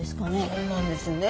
そうなんですよね。